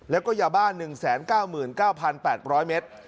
แล้วก็ยาบ้าน๑๙๙๘๐๐เมตร